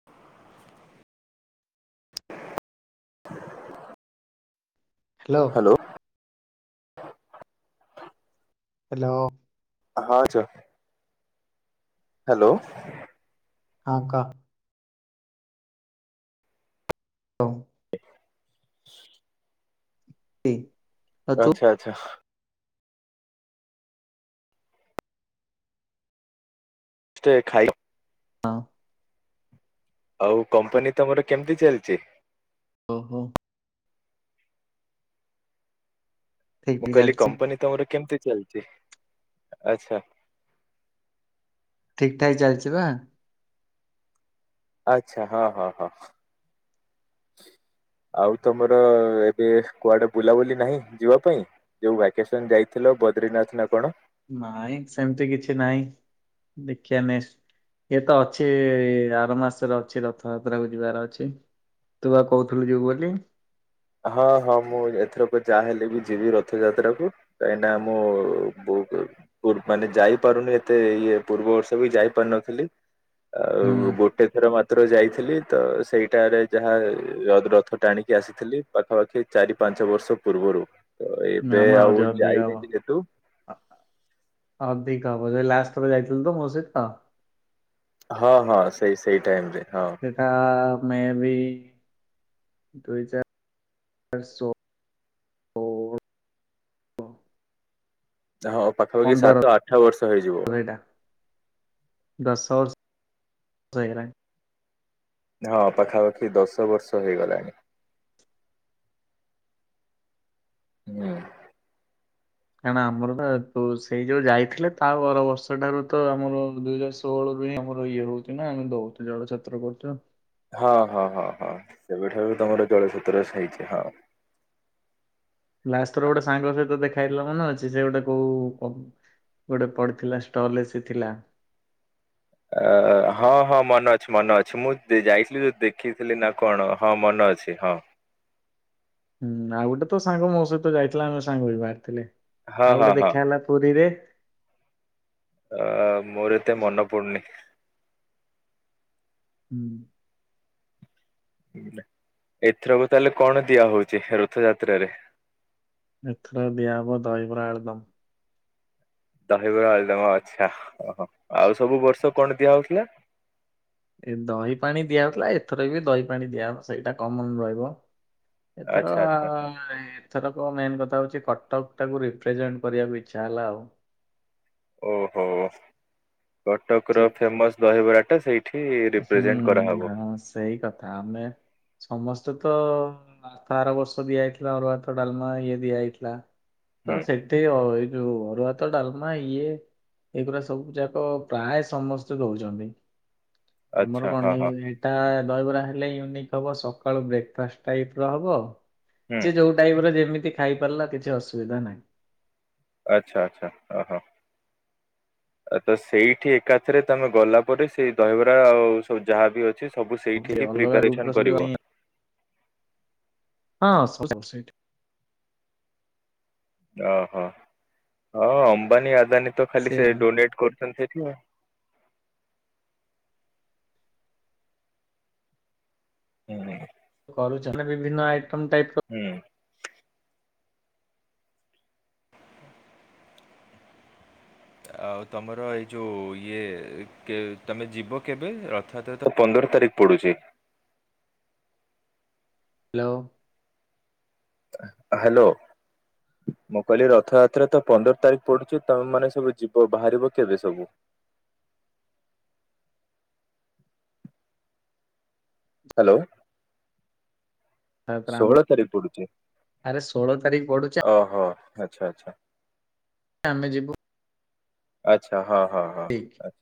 [unintelligible] Hello hello ହଁ ଚ hello ଆଉ କହ ହଁ [unintelligible] ସେ ଆଚ୍ଛା ଆଚ୍ଛା କେକ୍ ଖାଇ ହ ଆଉ କମ୍ପାନୀ ତମର କେମିତି ଚାଲିଛି ଓହୋ ଠିକ ମୁଁ ଠିକ କହିଲି ଚାଲିଛି କମ୍ପାନୀ ତମର କେମିତି ଚାଲିଛି ଆଛା ଠିକ୍ ଠାକ ଚାଲିଚି ବା। ଆଚ୍ଛା ହଁ ହଁ ହଁ। ଆଉ ତମର ଏବେ କୁଆଡେ ବୁଲାବୁଲି ନାହିଁ ଯିବା ପାଇଁ? ଯୋଉ ଭ୍ୟାକେସନ ଯାଇଥିଲ ବଦ୍ରିନାଥ ନା କଣ? ନାଇଁ ସେମିତି କିଛି ନାହିଁ ଦେଖିବା ନେସ ଇଏ ତ ଅଛି ଆର ମାସରେ ଅଛି ରଥଯାତ୍ରା କୁ ଯିବାର ଅଛି ତୁ ବା କହୁଥିଲୁ ଯିବୁ ବୋଲି। ହଁ ହଁ ମୁଁ ଏଥରକ ଯାହା ହେଲେ ବି ଯିବି ରଥଯାତ୍ରାକୁ କାହିଁକି ନା ମୁଁ ବହୁ ପୁ ମାନେ ଯାଇପାରୁନି ଏତେ ଇଏ ପୂର୍ବ ବର୍ଷ ବି ଯାଇ ପାରୁନଥିଲି ଆଉ ହୁଁ ଗୋଟେ ଥର ମାତ୍ର ଯାଇଥିଲି ତ ସେଇଟାରେ ଯାହା ରଥ ଟାଣି ଆସିଥିଲି ପାଖାପାଖି ଚାରି ପାଞ୍ଚ ବର୍ଷ ପୂର୍ବରୁ। ତ ଏବେ ଆଉ ଯାଇନି ଟିକେ ତୁ ଅ ଅଧିକ ହବ ଯେ ଲାଷ୍ଟଥର ଯାଇଥିଲୁ ତ ମୋ ସହିତ। ହଁ ହଁ ସେଇ ସେଇ ଟାଇମ୍ ରେ ହଁ। ସେଟା ମେ ବି ଦୁଇ [unintelligible] ଷୋହଳ [unintelligible] ସାତ ପନ୍ଦର ଆଠ ବର୍ଷ ହେଇଯିବ। ପୁରେଟା। ଦଶ ବର୍ଷ ହେଇଗଲାଣି। ହଁ ପାଖାପାଖି ଦଶ ବର୍ଷ ହେଇଗଲାଣି। ହୁଁ। କାରଣ ଆମରଟା ତ ସେଇ ଯୋଉ ଯାଇଥିଲେ ତା ପର ବର୍ଷ ଠାରୁ ତ ଆମର ଦୁଇ ଷୋଳ ରୁ ଇଏ ଆମର ଇଏ ହଉଛି ନା ଆମେ ଦଉଛୁ ଜଳ ଛତ୍ର ବଣ୍ଟନ। ହଁ ହଁ ହଁ ହଁ ସେବେଠାରୁ ତମର ଜଳଛତ୍ର ହେଇଛି ହଁ। ଲାଷ୍ଟ ଥର ଗୋଟେ ସାଙ୍ଗ ସହିତ ଦେଖା ହେଇଥିଲା ମନେ ଅଛି ସେ ଗୋଟେ କୋଉ କୋ ଗୋଟେ ପଡ଼ିଥିଲା ଷ୍ଟଲ ଏସି ଥିଲା। ଅ ହଁ ହଁ ମନେ ଅଛି ମନେ ଅଛି ମୁଁ ଦେ ଯାଇଥିଲି ଯୋଉ ଦେଖିଥିଲି ନା କଣ ହଁ ମନେ ଅଛି ହଁ। ହୁଁ ଆଉ ଗୋଟେ ତ ସାଙ୍ଗ ମୋ ସହିତ ଯାଇଥିଲା ଆମେ ସାଙ୍ଗ ବି ବାହାରିଥିଲେ ହଁ ଆଉ ହଁ ଗୋଟେ ହଁ ଦେଖା ହେଲା ପୁରୀରେ। ଅଁ ମୋର ଏତେ ମନେ ପଡୁନି। ହୁଁ। ଏଥରକ ତାହେଲେ କଣ ଦିଆହଉଛି ରଥଯାତ୍ରାରେ? ଏଥର ଦିଆହବ ଦହିବରା ଆଳୁଦମ୍। ଦହିବରା ଆଳୁଦମ୍ ଅଚ୍ଛା ଓହୋ। ଆଉ ସବୁ ବର୍ଷ କଣ ଦିଆ ହଉଥିଲା? ଏ ଦହି ପାଣି ଦିଆ ହଉଥିଲା ଏଥର ବି ଦହି ପାଣି ଦିଆ ସେଇଟା କମନ ରହିବ ଏଥର ଆଚ୍ଛା ଆ ଆଚ୍ଛା ମାନେ ଏଥରକ ମେନ୍ କଥା ହଉଛି କଟକ ଟାକୁ ରିପ୍ରେଜେଣ୍ଟ କରିବାକୁ ଇଚ୍ଛା ହେଲା ଆଉ। ଓହୋ କଟକ ସେ ର ଫେମସ ଦହିବରାଟା ସେଇ ହୁଁ ହଁ ସେଇ କଥା ଆମେ ସମସ୍ତେ ତ ତ ଆର ବର୍ଷ ଦିଆଯାଇଥିଲା ଅରୁଆ ଭାତ ଡାଲମା ଇଏ ଦିଆହେଇଥିଲା ତ ହୁଁ। ସେ ସେଠି ଅ ଏ ଯୋଉ ଅରୁଆ ଭାତ ଡାଲମା ଇଏ ଏଇଗୁୁରା ସବୁ ଯାକ ପ୍ରାୟ ସମସ୍ତେ ଦଉଚନ୍ତି ଆଚ୍ଛା ଆମର ହଁ କଣ ହଁ ତା ଦହିବରା ହେଲେ ୟୁନିକ୍ ହବ ସକାଳୁ ବ୍ରେକ ଫାଷ୍ଟ ଟାଇପ ର ହବ ହୁଁ ଯିଏ ଯୋଉ ଟାଇପର ଯେମିତି ଖାଇ ପାରିଲା କିଛି ଅସୁବିଧା ନାହିଁ। ଆଚ୍ଛା ଆଚ୍ଛା ଓ ହୋ। ଆ ତ ସେଇଠି ଏକାଥରେ ତମେ ଗଲା ପରେ ସେଇ ଦହିବରା ଆଉ ସବୁ ଯାହାବି ଅ ସବୁ ସେ ସେଇଠି ହିଁ ଅଲଗା ଗ୍ରୁପ୍ ପ୍ରିପାରେସନ୍ ର ସବୁ ଯୋଉ କରିବ। ହଁ ସବୁ ସେଇଠି। ଓହୋ ହଁ ଅମ୍ବାନୀ ଆଦାନୀ ତ ଖାଲି ସେ ଡୋନେଟ କରୁଛନ୍ତି। ସେଠିଆଉ। ହୁଁ ହୁଁ। କରୁଛନି ବିଭିନ୍ନ ଆଇଟମ୍ ଟାଇପିର। ହୁଁ। ଆଉ ତମର ଏଇ ଯେଉଁ ଇଏ ଟିକେ ତମେ ଯିବ କେବେ ରଥଯାତ୍ରା ତ ପନ୍ଦର ତାରିଖ ପଡୁଛି? ହ୍ୟାଲୋ। ହ୍ୟାଲୋ। ମୁଁ କହିଲି ରଥଯାତ୍ରା ତ ପନ୍ଦର ତାରିଖ ପଡୁଛି। ତମେ ମାନେ ସବୁ ଯିବ ବାହାରିବ କେବେ ସବୁ? ହ୍ୟାଲୋ। ତାପରେ ଆମେ ଷୋହଳ ତାରିଖ ପଡୁଛି। ଆରେ ଷୋହଳ ତାରିଖ ପଡୁଛି ଓହୋ ଆଚ୍ଛା ଆଚ୍ଛା। ଆମେ ଯିବୁ ଆଚ୍ଛା ହଁ ହଁ ହଁ ଆଛା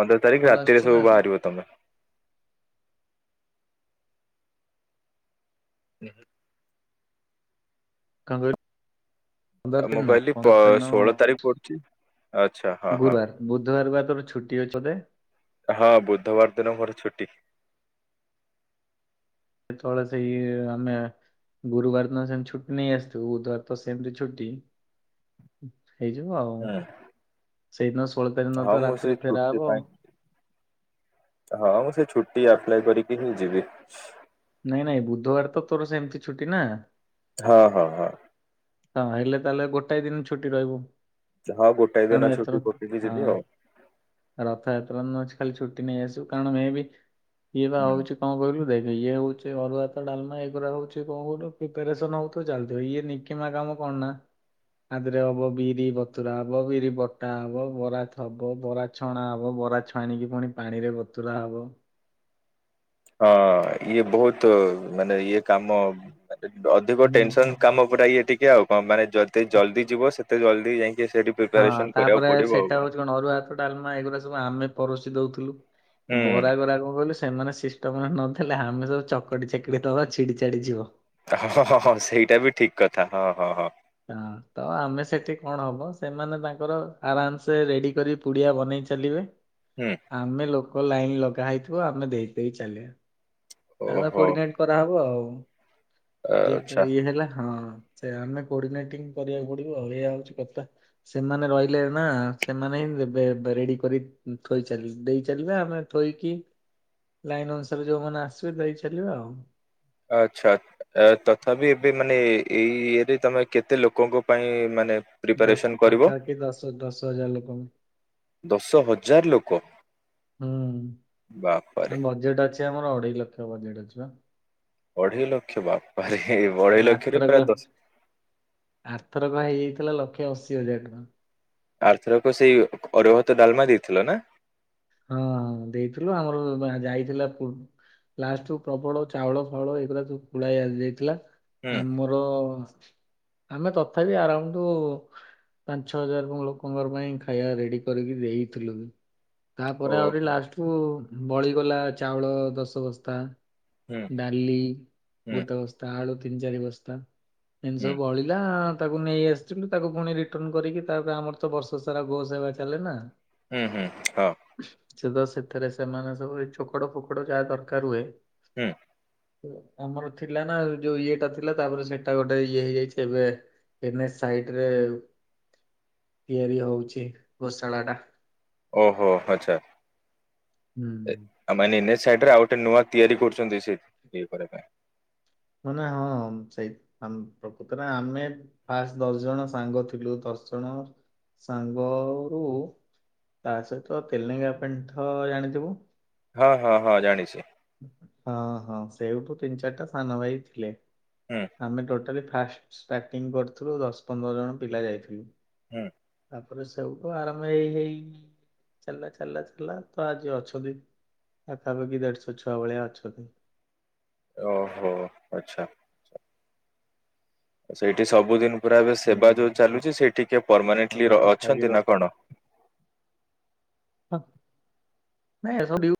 ପନ୍ଦର ତାରିଖ କଲ ରାତିରେ ଆସୁଛି ନା ସବୁ କଣ ବାହାରିବ ତମେ? [inaudible] କଁ କହିଲୁ? ପନ୍ଦର ତାରିଖ ମୁଁ ଦିନ କହିଲି ତଳର ପ ତାରିଖ ଦିନ ଷୋହଳ ତାରିଖ ପଡୁଛି ଆଚ୍ଛା ହଁ ହଁ ଗୁରୁବାର। ବୁଧବାର ବା ତୋର ଛୁଟି ଅଛି ବୋଧେ। ହଁ ବୁଧବାର ଦିନ ମୋର ଛୁଟି। ତଳେ ସେଇ ଆମେ ଗୁରୁବାର ଦିନ ସେମିତି ଛୁଟି ନେଇଆସିଥିବୁ, ବୁଧବାର ତ ସେମିତି ଛୁଟି। ହେଇଯିବ ଆଉ ହୁଁ ସେଇଦିନ ଷୋହଳ ତାରିଖ ନ ହଁ ତ ମୁଁ ସେଇ ରାତିରେ ଫେରା ଛୁଟି ହବ ପାଇଁ ଆଉ। ହଁ ମୁଁ ସେ ଛୁଟି ଆପ୍ଲାଏ କରିକି ହିଁ ଯିବି। ନାଇଁ ନାଇଁ ବୁଧବାର ତ ତୋର ସେମିତି ଛୁଟି ନା। ହ-ହ-ହ। ହଁ ହେଲେ ତାହେଲେ ଗୋଟାଏ ଦିନ ଛୁଟି ରହିବ। ହଁ ଗୋଟାଏ ଦିନ ଛୁଟି ପକେଇକି ହଁ ଯିବି ଆଉ। ରଥଯାତ୍ରା ନ ଅଛି ଖାଲି ଛୁଟି ନେଇ ଆସିବୁ କାରଣ ମେ ବି- ଇଏ ପା ହଁ ହଉଛି କଣ କହିଲୁ ଦେଖ ଇଏ ହଉଛି ସେ ଅରୁଆ ଭାତ ଡାଲମା ଏ କରା ହଉଛି କଣ କହିଲୁ ପ୍ରିପାରେସନ ହଉଥିବ ଚାଲିଥିବ ଇଏ ନେଇକି କିମା କାମ କଣ ନା? ଆଧରେ ହବ ବିରି ବତୁରା ହବ, ବିରି ବଟା ହବ, ବରା ଥବ ବରା ଛଣା ହବ, ବରା ଛାଣିକି ପୁଣି ପାଣିରେ ବତୁରା ହବ। ହଁ ଇଏ ବହୁତ ମାନେ ଇଏ କାମ ମାନେ ଅଧିକ ହୁଁ ହୁଁ। ଟେନସନ କାମ। ଟା ଇଏ ଟିକେ ଆଉ କଣ ମାନେଦେ ଜଲଦି ଯିବ ସେତେ ଜଲଦି ଯାଇ ସେଇଠି ହଁ ପ୍ରିପାରେସନ କରିବାକୁ ତାପରେ ପଡିବ, ଆଉ ସେଟା କଣ? ହଉଛି ଅରୁଆ ଭାତ ଡାଲମା ଏଗୁଡା ସବୁ ଆମେ ପରସି ଦଉଥିଲୁ ଏ ହୁଁ ବରା ଗରା କଣ କହିଲୁ ସେମାନେ ସିଷ୍ଟମରେ ନଥିଲେ ଆମେ ସବୁ ଚକଟି ଚାକିଡ଼ି ଦବା ଛିଡ଼ିଛାଡ଼ି ଯିବ। ହ-ହ-ହ ସେଇଟା ବି ଠିକ୍ କଥା ହ-ହ-ହ। ହ ତ ଆମେ ସେଠି କଣ ହବ ସେମାନେ ତାଙ୍କର ଆରାମସେ ରେଡି କରି ପୁଡ଼ିଆ ବନେଇ ଚାଲିବେ। ହୁଁ। ଆମେ ଲୋକ ଲାଇନ ଲଗା ହେଇଥିବ, ଆମେ ଦେଇ ଦେଇ ଚାଲିବା। ଆଗ ଓହୋ। କୋଡିନେଟ କରା ହବ ଆଉ, ଯିଏ ଆଚ୍ଛା ଇଏ ହେଲା ହଁ ସେ ଆମେ କୋଡ଼ିନେଟିଙ୍ଗ କରିବାକୁ ପଡିବ ଆଉ ଏଇୟା ହଉଛି କଥା। ସେମାନେ ରହିଲେ ନା ସେମାନେ ହିଁ ଦେବେ- ବେ ରେଡି କରି ଥୋଇ ଚାଲି ଦେଇ ଚାଲିବେ, ଆମେ ଥୋଇକି ଲାଇନ ଅନୁସାରେ ଯୋଉମାନେ ଆସିବେ ଦେଇ ଚାଲିବା ଆଉ। ଆଚ୍ଛା। ଆ ତଥାପି ଏବେ ମାନେ ଏଇ ଇଏରେ ତମେ କେତେ ଲୋକଙ୍କ ପାଇଁ ମାନେ- ଦଶ ପ୍ରିପାରେସନ କରିବ ପାଖାପାଖି ଦଶ ଦଶ ହଜାର ଲୋକଙ୍କୁ। ଦଶ ହଜାର ଲୋକ। ହୁଁ ଆମ ବାପାରେ ବଜେଟ୍ ଅଛି ଆମର ଅଢେଇ ଲକ୍ଷ ବଜେଟ୍ ଅଛି ବା। ଅଢ଼େଇ ଲକ୍ଷ, ବାପାରେ ଅଢେଇ ଲକ୍ଷରେ ଆରଥରକ ପ୍ରାୟ ଦଶ ଆରଥରକ ହେଇଯାଇଥିଲା ଲକ୍ଷେ ଅଶି ହଜାର ଟଙ୍କା। ଆରଥରକ ସେଇ ଅରୁଆ ଭାତ ଡାଲମା ଦେଇଥିଲ ନା। ହଁ ଦେଇଥିଲୁ, ଆମର ବା ଯାଇଥିଲା ଲାଷ୍ଟରୁୁ ପ୍ରବଳ ଚାଉଳ ଫାଉଳ ଏଗୁଡ଼ା ସବୁ ପୁଳାଏ ଆସିଯାଇଥିଲା ହୁଁ ଆମ ର ଆମେ ତଥାପି ଆରାଉଣ୍ଡ ପାଞ୍ଚ ଛଅ ହଜାର ଲୋକଙ୍କର ପାଇଁ ଖାଇବା ରେଡି କରିକି ଦେଇଥିଲୁ ବି। ତାପରେ ଆହୁରି ଓହୋ ଲାଷ୍ଟକୁୁ ବଳିଗଲା ଚାଉଳ ଦଶ ବସ୍ତା। ହୁଁ ଡାଲି ହୁଁ ଗୋଟେ ବସ୍ତା, ଆଳୁ ତିନି ଚାରି ବସ୍ତା, ଏମିତି ହୁଁ ସବୁ ବଳିକି ବଳିଲା ତାକୁ ନେଇ ଆସିଛନ୍ତି, ତାକୁ ପୁଣି ରିଟର୍ଣ କରିକି ତାପରେ ଆମର ତ ବର୍ଷ ସାରା ଗୋ ସେବା ଚାଲେ ନା। ହୁଁ ହୁଁ ହଉ। ସେ ତ ସେଥିରେ ସେମାନେ ସବୁ ଏ ଚୋକଡ଼ ଫୋକଡ ଯାହା ଦରକାର ହୁଏ। ହୁଁ। ଆମର ଥିଲା ନା ଯୋଉ ଇଏଟା ଥିଲା ତାପରେ ସେଇଟା ଗୋଟେ ଇଏ ହେଇଯାଇଛି ଏବେ। ଏନଏଚ୍ ସାଇଡରେ ତିଆରି ହଉଛି ଗୋଶାଳା ଟା। ଓହୋ ଆଚ୍ଛା। ହୁଁ। ଆଉ ମାନେ ଏନଏଚ୍ ସାଇଡରେ ଆଉ ଗୋଟେ ନୂଆ ତିଆରି କରୁଛନ୍ତି ସେ ଇଏ କରିବା ପାଇଁ। ମ ନା ହଁ ସେଇ ପ୍ରକୃତରେ ଆମେ ଫାଷ୍ଟ ଦଶ ଜଣ ସାଙ୍ଗ ଥିଲୁ ଦଶ ଜଣ ସାଙ୍ଗରୁୁ ତା ସହିତ ତେଲେଙ୍ଗା ପେଣ୍ଠ ଜାଣିଥିବ। ହଁ ହଁ ହଁ ଜାଣିଛି। ହଁ ହଁ ସେଇଠୁ ତିନି ଚାରିଟା ସାନ ଭାଇ ଥିଲେ। ହୁଁ। ଆମେ ଟୋଟାଲି ଫାଷ୍ଟ ଷ୍ଟାଟିଂ କରିଥିଲୁ ଦଶ ପନ୍ଦର ଜଣ ପିଲା ଯାଇଥିଲୁ। ହୁଁ। ତାପରେ ସବୁଠୁ ଆରମ୍ଭ ହେଇ ହେଇ ଚାଲିଲା ଚାଲିଲା ଚାଲିଲା ତ ଆଜି ଅଛନ୍ତି ପାଖାପାଖି ଦେଢଶହ ଛୁଆ ଭଳିଆ ଅଛନ୍ତି। ଓହୋ ଆଛା। ସେଇଠି ସବୁଦିନ ପୁରା ଏବେ ସେବା ଯୋଉ ହୁଁ ଚାଲୁଛି ସେ ଟିକେ ଆମ ତ ପରମାନେଣ୍ଟଲି ପାଖାପାଖି ଅଛନ୍ତି ଦଶ ନା କଣ। ହ ନ ଏସ ବିଉ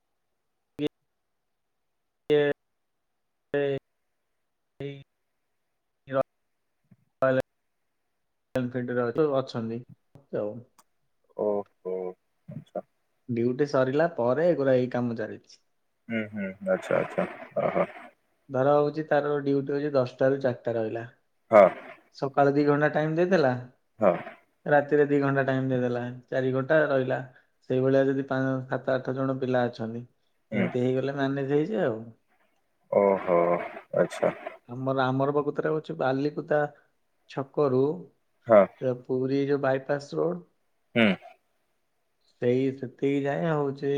[unintelligible] ଅଛନ୍ତି ଆଉ। ଓହୋ। ଆଚ୍ଛା ଡ୍ୟୁଟି ସରିଲା ପରେ ଏଗୁରା ଏଇ କାମ ଚାଲିଛି। ହୁଁ ହୁଁ ଆଚ୍ଛା ଆଚ୍ଛା ହ ହଁ। ଧର ହଉଛି ତାର ଡ୍ୟୁଟି ହଉଛି ଦଶଟାରୁ ଚାରିଟା ରହିଲା। ହଁ ସକାଳ ଦି ଘଣ୍ଟା ଟାଇମ ଦେଇଥିଲା- - ହଁ ରାତିରେ ଦି ଘଣ୍ଟା ଟାଇମ ଦେଇଦେଲା ଚାରି ଘଣ୍ଟା ରହିଲା। ସେଇଭଳିଆ ଯଦି ପା ସାତ ଆଠ ଜଣ ପିଲା ଅଛନ୍ତି। ହୁଁ ଏମିତି ହେଇଗଲେ ମ୍ୟାନେଜ ହେଇଯିବେ ଆଉ। ଓହୋ, ଆଚ୍ଛା। ଆମର ଆମର ପ୍ରକୃତରେ ହଉଚି ବାଲିକୁଦା ଛକରୁ ହଁ ତ ପୁରୀ ଯଉ ବାଇପାସ ରୋଡ଼- - ହୁଁ ସେଇ ସେତିକି ଯାଏ ହଉଚି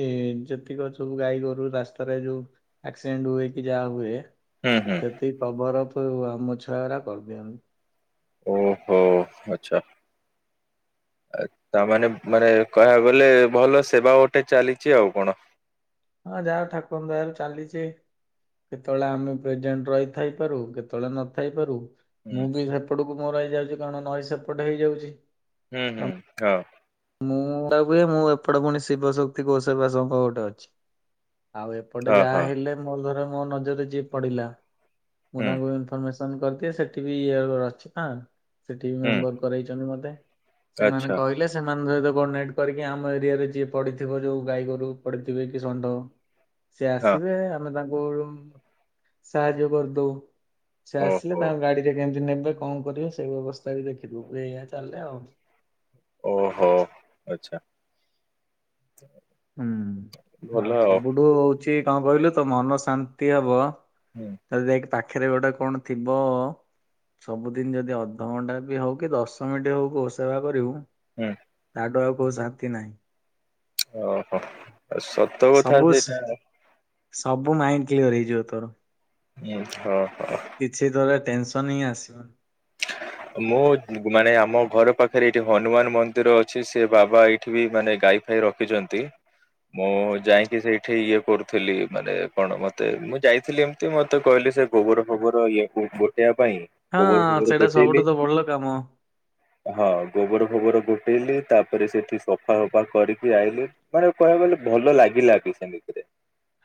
ଯେତିକି ସବୁ ଗାଈ ଗୋରୁ ରାସ୍ତାରେ ଯୋଉ - - ଆକ୍ସିଡେଟ ହୁଏ କି ଯାହା ହୁଏ। ହୁଁ ହୁଁ ସେଇ କଭରପ ଆମ ଛୁଆ ଗା କରିଦିଅନ୍ତି। ଓହୋ, ଆଚ୍ଛା। ତାମାନେ ମାନେ କହିବାକୁ ଗଲେ ଭଲ ସେବା ଗୋଟେ ଚାଲିଚି ଆଉ କଣ? ହଁ ଯାହା ଠାକୁାରଙ୍କ ଦୟା ରୁ ଚାଲିଚି। କେତେବେଳେ ଆମେ ପ୍ରେଜେଣ୍ଟ ରହିଥଇ ପାରୁ କେତେବେଳେ ନଥାଇ ପାରୁ - - ହୁଁ ମୁଁ ବି ସେପଟକୁ ମର ହେଇ ଯାଉଚି କାରଣ ନଈ ସେପଟ ହେଇଯାଉଚି। ହୁଁ ହୁଁ, ହଁ ମୁଁ ଗଟା କୁହେ ମୁଁ ଏପଟେ ପୁଣି ଶିବ ଶକ୍ତି କୋସବା ଶଙ୍ଖ ଗୋଟେ ଅଛି। ଆଉ ଏପଟେ ହଁ ଯାହା ହଁ ହେଲେ ମୋର ଧର ମୋ ନଜରରେ ଯିଏ ପଡିଲା ମୁଁ ହୁଁ ତାଙ୍କୁ ଇନ୍‌ପର ମେସ କରିଦିଏ। ସେଠି ବି ଇ ଅଛି କ ସେଠି ବି ହୁଁ ମେମ୍ବର କରେଇଚନ୍ତି ମତେ। ସେମାନେ ଆଚ୍ଛା କହିଲେ ସେମାନେ ଯ ଯୋ ଗୋ ନାଇଟ କରିକି ଆମ ଏରିଆରେ ଯିଏ ପଡିଥିବ ଯୋଉ ଗାଈ ଗୋରୁ ପଡିଥିବେ କି ଷଣ୍ଢ ସେ ହଁ ଆସିବେ ଆମେ ତାଙ୍କୁ ସାହାଯ୍ୟ କରିଦଉ। ସେ ଆସିଲେ ଓହୋ ତାଙ୍କ ଗାଡିରେ କେମିତି ନେବେ କଣ କରିବେ ସେଇ ବ୍ୟବସ୍ଥା ବି ଦେଖିଦୁ ଏଇଆ ଚାଲଲେ ଆଉ। ଓହୋ, ଆଛା। ହୁଁ, ଆଉ ସବୁଠୁ ହଉଚି କଂ କହିଲୁ ତ ମନ ଶାନ୍ତି ହବ। ହୁଁ। ଯାଇକି ପାଖରେ ଗୋଟେ କଣ ଥିବ। ସବୁଦିନ ଯଦି ଅଧଘଣ୍ଟା ବି ହଉ କି ଦଶ ମିନିଟ ହଉ ଗୋ ସେବା କରିବୁ। ହୁଁ। ତାଟୁ ଆଉ କୋଉ ଶାନ୍ତି ନାହିଁ। ଓହୋ, ତା ସତ୍। ସବସ୍, ସବୁ ମାଇଣ୍ଡ କ୍ଲିୟର ହେଇଯିବ ତୋର। ହୁ, ହଁ ହଁ। କିଛି ଥରେ ଟେନସନ ହିଁ ଆସିବନି। ମୁଁ ମାନେ ଆମ ଘର ପାଖରେ ଏଠି ହନୁମାନ ମନ୍ଦିର ଅଛି। ସେ ବାବା ଏଇଠି ବି ମାନେ ଗାଇ- - ରଖିଚନ୍ତି। ମୁଁ ଯାଇକି ସେଇଠି ଇଏ କରୁଥିଲି ମାନେ କଣ ମତେ ମୁଁ ଯାଇଥିଲି ଏ - - ମିତି ମତେ କହିଲେ ସେ ଗୋବର ଫୋବର ଇଏ କ ଗୋଟେଇବା ପାଇଁ। ହଁ, ଗୋବର ଫୋବର ସେଇଟା ଗୋଟେଇଲି ସବୁଠୁ ତ ଭଲ କାମ। ହଁ ଗୋବର ଗୋବର ଗୋଟେଇଲି ତାପରେ ସେଠି ସଫା ସଫା କରିକି ଆଇଲି। ମାନେ କହିବାକୁ ଗଲେ ଭଲ ଲାଗିଲା ବି ସେମିତିରେ।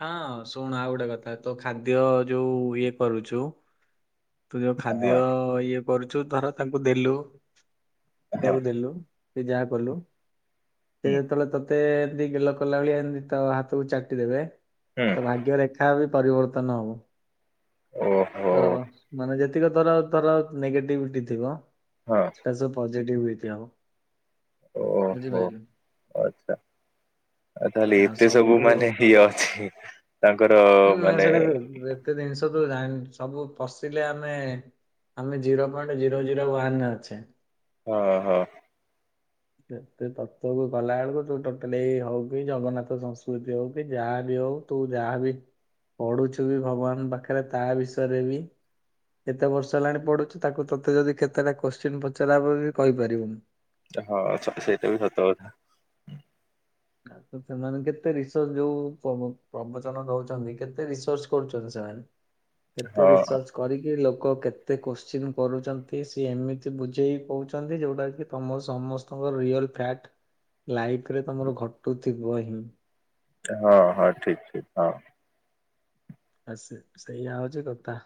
ହଁ ଶୁଣ ଆଉ ଗୋଟେ କଥା ତ ଖାଦ୍ୟ ଯୋଉ ଇଏ କରୁଛୁ। ତୁ ଯୋଉ ଖାଦ୍ୟ ହଁ ଇଏ କରୁଛୁ ଧର ତାଙ୍କୁ ଦେଲୁ ହଁ ଖାଇବାକୁ ଦେଲୁ। ସେ ଯାହା କଲୁ ସେ ହୁଁ ଯେତେବେଳେ ତତେ ଏମିତ୍ ଗେଲ କଲା ଭଳିଆ ଏମିତି ତ ହାତକୁ ଚାଟି ଦେବେ ହୁଁ ତ ଭାଗ୍ୟ ରେଖା ବି ପରିବର୍ତ୍ତନ ହବ। ଓ। ତର ମାନେ ଯେତିକି ତର ତର ନେଗେଟିଭିଟି ଥିବ। ହଁ। ସେଟା ସବୁ ପଜିଟିଭିଟି ହବ ବୁଝିପାଇଲୁ। ଆଛା ଆଉ ତାହେଲେ ଏତେ ସବୁ ମାନେ ଇଏ ଅଛି। ତାଙ୍କର ମାନେ ଗୋଟେ ଜିନିଷ କୁ ଜାଣୁ ସବୁ ପଶିଲେ ଆମେ ଆମେ zero point zero zero one ରେ ଅଛେ। ଓ ହ। ଏତେ ତତ୍ଵ କୁ ଗଲା ବେଳକୁ ତୁ ଟୋଟାଲି ଏଇ ହଉ କି ଜଗନ୍ନାଥ ସଂସ୍କୃତି ହଉ କି ଯାହା ବି ହଉ। ତୁ ଯାହା ବି ପଢୁଛୁ ବି ଭଗବାନ ପାଖରେ ତା ବିଷୟରେ ବି କେତେ ବର୍ଷ ହେଲାଣି ପଡୁଛି ତାକୁ ତୋତେ ଯଦି କେତେଟା କୋଶ୍ଚିନ୍ ପଚାରା ହବ ବି କହିପାରିବୁନି। ହଁ ଆଚ୍ଛା ସେଇଟା ବି ସତ କଥା। ସେମାନେ କେତେ ରିସର୍ଚ ଯୋଉ ପବ ପ୍ରବଚନ ଦଉଛନ୍ତି କେତେ ରିସର୍ଚ୍ଚ କରୁଛନ୍ତି ସେମାନେ। କେତେ ହଁ ରିର୍ସଚ କରିକି ଲୋକ କେତେ କୋଶ୍ଚିନ୍ କରୁଛନ୍ତି ସିଏ ଏମିତି ବୁଝେଇ କଉଛନ୍ତି ଯେ ଯେଉଁଟାକି ତମ ସମସ୍ତଙ୍କ ରିଅଲ ଫ୍ୟାଟ ଲାଇଫ୍ ରେ ତମର ଘଟୁଥିବ ହିଁ। ହଁ ହଁ ଠିକ୍ ଠିକ୍ ହଁ। ବାସ୍ ସେଇଆଉଛି କଥା।